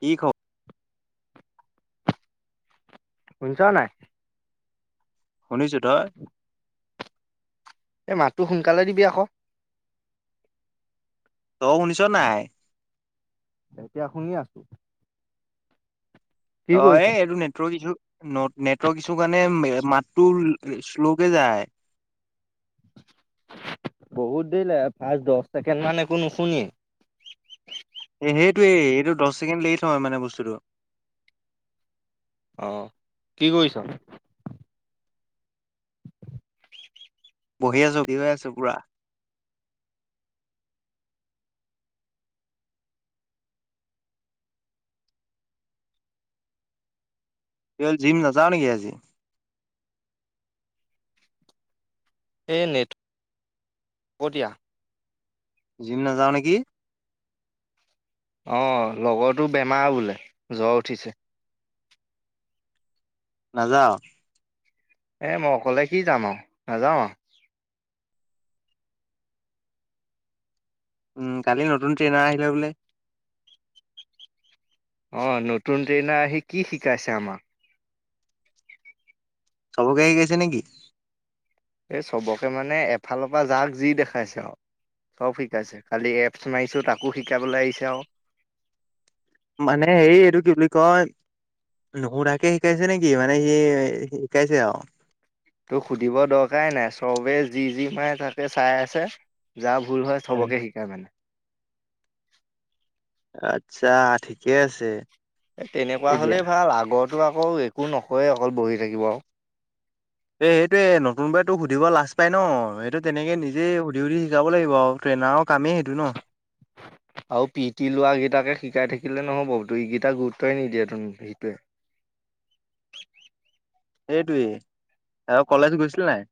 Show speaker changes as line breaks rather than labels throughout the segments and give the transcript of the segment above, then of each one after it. কি খ
শুনছানে নাই?
শুনিছো, তই?
এই মাতটো সোনকালে দিবি আকৌ?
তই শুনিছ‌নে নাই?
এতিয়া শুনি আছোঁ।
অ' এইটো নেটৱৰ্ক ইছু। নোট নেট ৰ্টৱক ইছু কাৰণে মাতটো শ্ল'কে যায়।
বহুত দেৰি লাগে, পাঁচ দহ ছেকেণ্ড মান একো নুশুনিয়েই।
সেইটোৱেই, এইটো দহ ছেকেণ্ড লে'ট হয় মানে বস্তুটো।
অ', কি কৰিছ?
বহি আছোঁ, থিয়হৈ আছোঁ পুৰা। কি হ'ল জিম নাযাৱ নেকি আজি?
এই নেট, হ'ব দিয়া।
জিম নাযাৱ নেকি?
অ', লগৰটো বেমাৰ বোলে, জ্বৰ উঠিছে।
নাযাৱ?
এ মই অকলে কি যাম আও, নাযাওঁ আও।
উম, কালি নতুন ট্ৰেইনাৰ আহিলে বোলে।
অ, নতুন ট্ৰেইনাৰ আহি কি শিকাইছে আমাক?
চবকে শিকাইছে নে কি?
এ, চবকে মানে এফালৰ পৰা যাক যি দেখাইছে আও। চব শিকাইছে। খালি এপছ মাৰিছো তাকো শিকাবলৈ আহিছে আও।
মানে হেই, এইটো কি বুলি কয়, নুসোধাকে শিকাইছে নে কি? মানে সি শিকাইছে আও?
তোৰ সুধিব দৰকাৰেই নাই, চবে যি যি মায়ে তাকে চাই আছে, যাৰ ভুল হয় চবকে শিকায় মানে। [inaudible]
আচ্ছা ঠিকেই আছে।
এই তেনেকুৱা
এতিয়া
হলেই ভাল, আগত টো আকৌ একো নকয় অকল বহি থাকিব আও।
এই সেইটোৱে নতুন বাই তোক সুধিব লাজ পায় ন? সেইটো তেনেকে নিজেই সুধি সুধি শিকাব লাগিব আও, ট্ৰেইনাৰৰ কামেই সেইটো ন?
আৰু পি টি লোৱা কিটাকে শিকাই থাকিলে নহব, ত ইকিটা গুৰুত্বই নিদিয়ে তোন সিটোৱে।
সেইটোৱে আৰু কলেজ গৈছিল নাই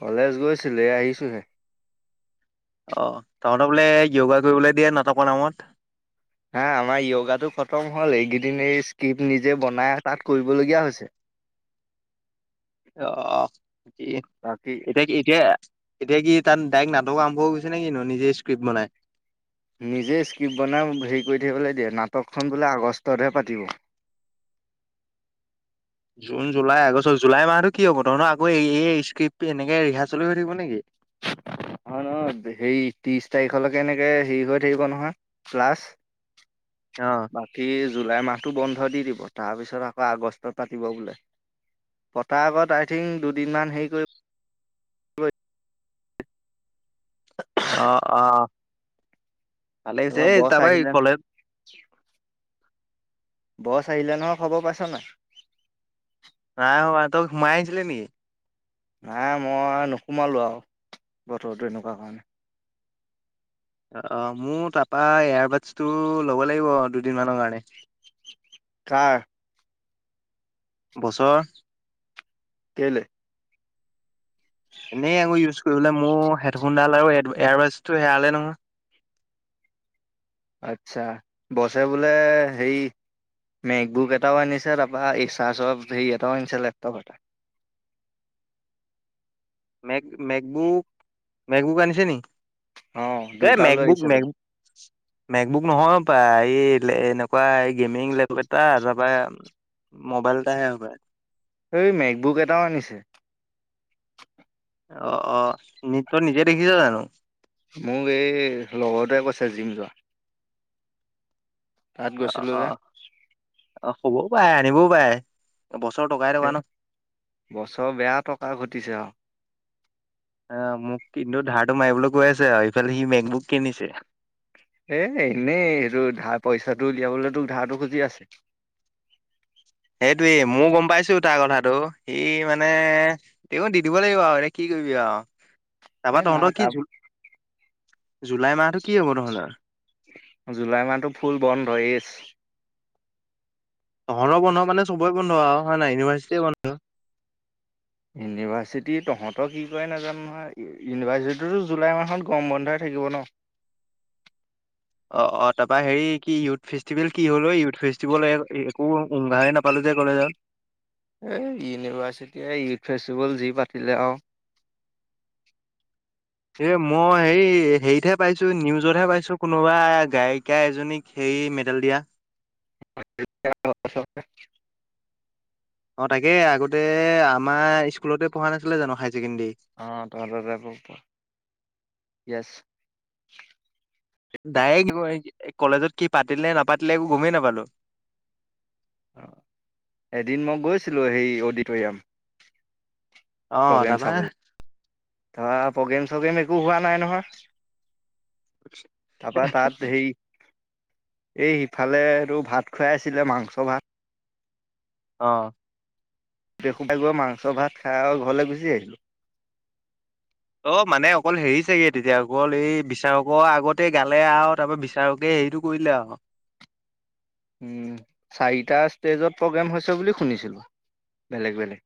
কলেজ গৈছিলো এয়া আহিছোঁহে।
তহঁতৰবোলে য়গা কৰিবলৈ দিয়ে নাটকৰ নামত
হা আমাৰ য়াগাটো খতম হ'ল এইকেইদিন এই স্কিপ্ট নিজে বনাই তাত কৰিবলগীয়া হৈছে।
অ কি
বাকী
এতিয়া কি এতিয়া এতিয়া কি তাত ডাইৰেক্ট নাটকো আৰম্ভ হৈ গৈছে নে কি নো নিজে স্কিপ্ট বনাই।
নিজে স্ক্ৰিপ্ট বনাই হেৰি কৰি থাকিবলৈ দিয়ে নাটকখন বোলে আগষ্টতহে পাতিব।
জুন জুলাই আগষ্ট জুলাই মাহতো কি হ'ব তহঁতৰ আকৌ এই স্ক্ৰিপ্ট এনেকে ৰিহাৰ্চল হৈ থাকিব নেকি
অ ন হেৰি ত্ৰিশ তাৰিখলৈকে এনেকে হেৰি হৈ থাকিব নহয় ক্লাছ।
অ
বাকি জুলাই মাহটো বন্ধ দি দিব তাৰপিছত আকৌ আগষ্টত পাতিব বোলে পতাৰ আগত আই থিংক দুদিনমান হেৰি কৰিব।
অ অ ভালে হৈছে
তাৰপৰা বছ
তাপাই
আহিলে
কলে
বছ আহিলে নহয় খবৰ পাইছ নাই
ত সোমাইজিলে নি
নাই মই নোসোমালো আৰু বতৰটো এনেকুৱা কাৰণে
অ মোৰ তাৰপৰা এয়াৰবাডছটো ল'ব লাগিব দুদিনমানৰ কাৰণে
কাৰ
বছৰ
কেলে
এনেই আকৌ ইউজ কৰিবলৈ মোৰ হেডফোনডাল আৰু এয়াৰবডছটো হেৰালে নহয়।
আচ্ছা বছে বোলে হেই মেকবুক এটাও আনিছে তাৰপৰা এই চাৰজফ হেৰি এটাও আনিছে লেপটপ এটা
মে মেকবুক মেকবুক আনিছে নি
অ'
এ
দুটা লৈ
মেকবুক
আহিছে বোলে।
মেবুক মেকবুক নহয় এই এনেকুৱা এই গেমিং লেপটপ এটা তাৰপা মোবাইল এটা হে হব।
এই মেকবুক এটাও আনিছে
অ অ নিত নিজে দেখিছ জানো
মোক এই লগৰতে কৈছে জিম যোৱা। তাত
অ
গৈছিলো
অ
যে।
অ হব। পুৱাই আনিবও পাৰে বছৰ টকাই টকা ন'
বছৰ বেয়া টকা ঘটিছে আৰু।
আহ মোক কিন্তু ধাৰটো মাৰিবলৈ কৈ আছে আৰু। ইফালে সি মেইন বুক কিনিছে।
এ এনেই সেইটো ধা পইচাটো উলিয়াবলৈ তোক ধাৰটো খুজি আছে।
সেইটোৱেই ময়ো গম পাইছো তাৰ কথাটো সি মানে তেওঁ দি দিব লাগিব আৰু এতিয়া কি কৰিবি আৰু
এ
তাৰপৰা
না
তহঁতৰ কি
তাৰ
[unintelligible] জুলাই মাহটো কি হ'ব তহঁতৰ
জুলাই মাহটো ফুল বন্ধ! য়েছ
তহঁতৰ বন্ধ মানে, চবৰেই বন্ধ আৰু হয় নে নাই, ইউনিভাৰ্চিটি বন্ধ?
ইউনিভাৰ্চিটি তহঁতৰ কি কৰে নাজানো নহয়। ইউনিভাৰ্চিটিতো জুলাই মাহত গৰম বন্ধই থাকিব ন'?
অ', অ' তাৰপৰা হেৰি, কি ইউথ ফেষ্টিভেল কি হ'ল ঐ ইউথ ফেষ্টিভেল [unintelligible] একো উম-ঘামে নাপালোঁ যে কলেজৰ।
এই ইউনিভাৰ্চিটিয়ে ইউথ ফেষ্টিভেল যি পাতিলে আৰু।
এই মই হেৰি হেৰিতহে পাইছো, নিউজতহে পাইছো কোনোবা গায়িকা এজনীক হেৰি মেডেল দিয়া।
[unintelligible]
অ', তাকে আগতে আমাৰ স্কুলতে পঢ়া নাছিলে জানো হাই ছেকেণ্ডেৰী।
অ', তহঁতৰ তাতে পঢ়িছিল। য়েছ।
ডাইৰেক্ট [unintelligible] কলেজত কি পাতিলে নাপাতিলে, একো গমেই নাপালোঁ।
[inaudible] এদিন মই গৈছিলোঁ, হেৰি অডিটৰিয়াম।
অ
প্ৰ'গ্ৰেম
তাৰপা
চাবলৈ। ধৰা প্ৰ'গ্ৰেম-চ'গ্ৰেম একো হোৱা নাই নহয়। তাৰপা তাত হেৰি এই সিফালেটো ভাত খুৱাই আছিলে, মাংস ভাত।
অ'।
গোটেইসোপাই গৈ মাংস ভাত খাই আৰু ঘৰলৈ গুচি আহিলোঁ।
অ', মানে অকল হেৰি চাগে, তেতিয়া অকল এই বিচাৰকৰ আগতে গালে আৰু তাৰপৰা বিচাৰকে হেৰিটো কৰি দিলে আৰু।
উম, চাৰিটা ষ্টেজত প্ৰ'গ্ৰেম হৈছে বুলি শুনিছিলোঁ বেলেগ, বেলেগ।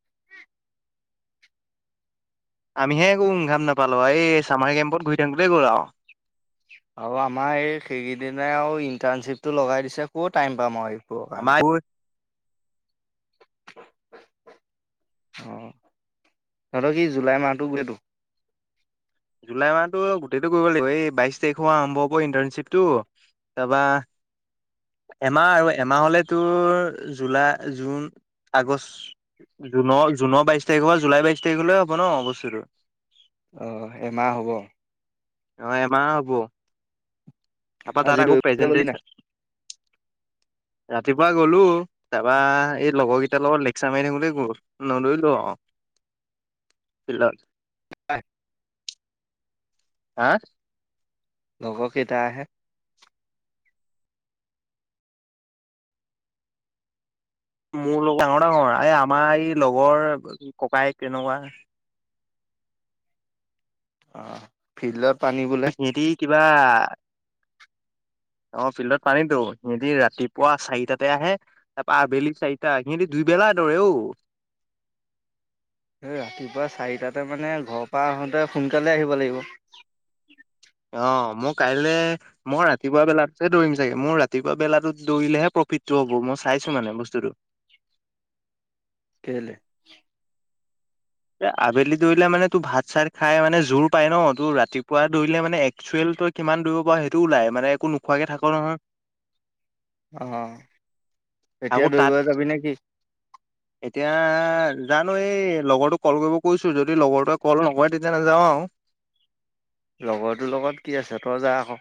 আমিহে একো উম-ঘাম নাপালোঁ! এই ছামাৰ কেম্পত ঘূৰি থাকোতেই গ'ল আৰু।
আৰু আমাৰ এই সেইকেইদিনাই আৰু ইণ্টাৰ্ণশ্বিপটো লগাই দিছে ক'ত টাইম পাম আৰু। এইবোৰৰ
আমাৰ পৈ
অহ, সিহঁতৰ কি জুলাই মাহটো বোলে
জুলাই মাহটো গোটেইটো কৰিব লাগিব এই বাইশ তাৰিখৰ পৰা আৰম্ভ হ'ব ইণ্টাৰ্ণশ্বিপটো তাৰপৰা এমাহ আৰু এমাহ হ'লে তোৰ জুলাই, জুন, আগষ্ট জুনৰ জুনৰ বাইশ তাৰিখৰ পৰা জুলাই বাইশ তাৰিখলে হ'ব ন' বস্তুটো।
অহ, এমাহ হ'ব।
অ', এমাহ হ'ব। তাপা তাত
আজি
আকৌ
দৌৰিবলৈ গ'লি নাই?
প্ৰেজেণ্টচন ৰাতিপুৱা গ'লো তাৰপা এই লগৰকেইটাৰ লগত লেকচাৰ মাৰি থাকোতে গ'ল নদৌৰিলো আৰু ফিল্ডত।
হয়।
হা?
লগৰকেইটা আহে।
মোৰ লগত ডাঙৰ, ডাঙৰ এই আমাৰ এই লগৰ ককাইক তেনেকুৱা।
অহ, ফিল্ডত পানী বোলে।
সিহঁতি কিবা অ' ফিল্ডত পানীতো, সিহঁতি ৰাতিপুৱা চাৰিটাতে আহে, তাৰপা আবেলি চাৰিটা, সিহঁতি দুইবেলা দৌৰে ঔ।
এ ৰাতিপুৱা চাৰিটাতে মানে ঘৰৰ পৰা আহোঁতে সোনকালে আহিব লাগিব।
অ' মই কাইলে মই ৰাতিপুৱা বেলাতহে দৌৰিম চাগে, মোৰ ৰাতিপুৱা বেলাটোত দৌৰিলেহে প্ৰফিটটো হ'ব মই চাইছো মানে বস্তুটো।
কে'লে'?
এ আবেলি দৌৰিলে মানে তোৰ ভাত চাত খাই মানে জোৰ পাই ন, তোৰ ৰাতিপুৱা দৌৰিলে মানে একচুৱেল তই কিমান দৌৰিব পাৰ সেইটো ওলাই মানে একো নোখোৱাকে থা'ক নহয়।
অ' এতিয়া
আকৌ তাত
দৌৰিবলৈ যাবি নেকি?
এতিয়া জানো এই লগৰটোক ক'ল কৰিব কৈছো, যদি লগৰটোৱে ক'ল নকৰে তেতিয়া নাযাওঁ আৰু।
লগৰটোৰ লগত কি আছে তই যা আকৌ।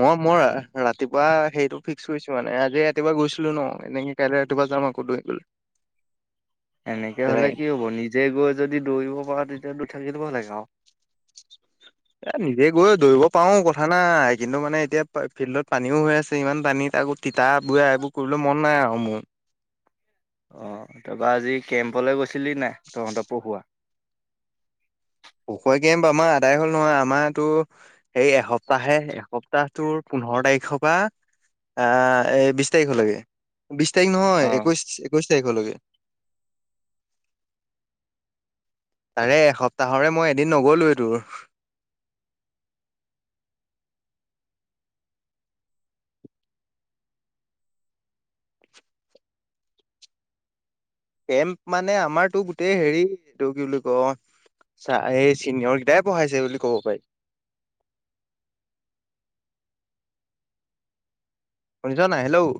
মই মই ৰাতিপুৱা হেৰিটো ফিক্স কৰিছো, মানে আজি ৰাতিপুৱা গৈছিলো ন, এনেকে কাইলে ৰাতিপুৱা যাম আকৌ দৌৰিবলৈ।
এনেকে হ'লে
তেনেকে
কি হ'ব নিজে গৈ যদি দৌৰিব পাৰ তেতিয়াটো থাকি দিব লাগে। অ'।
এ নিজে গৈ দৌৰিব পাৰো কথা নাই, কিন্তু মানে এতিয়া ফিল্ডত পানীওঁ হৈ আছে, ইমান পানীত আকৌ তিতা বুৰা এইবোৰ কৰিবলৈ মন নাই আৰু মোৰ।
অ', তাৰপৰা আজি কেম্পলৈ গৈছিলি নাই তহঁতে পঢ়োৱা?
ওসৈ গেম আমাৰ আদায় হ'ল নহয়। আমাৰতো সেই এসপ্তাহহে এসপ্তাহটোৰ পোন্ধৰ তাৰিখৰ পৰা আহ এ বিশ তাৰিখলৈকে। বিচ তাৰিখ নহয়,
অ'।
একৈশ, একৈশ [unintelligible] আৰে এসপ্তাহৰে মই এদিন নগলোৱে তোৰ। কেম্প মানে আমাৰতো গোটেই হেৰি এইটো কি বুলি কয় অ', চা, এই চিনিয়ৰ কেইটাই পঢ়াইছে বুলি ক'ব পাৰি। শুনিছ নাই? হেল্ল'!